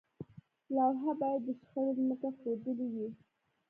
لوحه باید د شخړې ځمکه ښودلې وي.